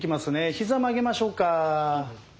膝曲げましょうか？